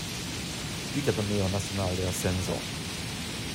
Liga Torneo Nacional de Ascenso.